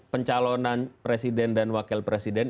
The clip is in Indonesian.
pencalonan presiden dan wakil presiden